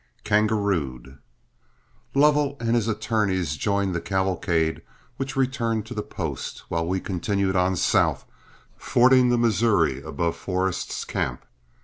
KANGAROOED Lovell and his attorneys joined the cavalcade which returned to the post, while we continued on south, fording the Missouri above Forrest's camp.